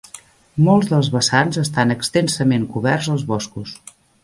Molts dels vessants estan extensament coberts als boscos.